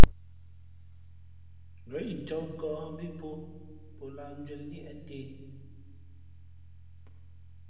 Ngα̌ incāk nkᾱᾱ nhᾱ mbí pō, pō lāh njwēn liēʼ ntē.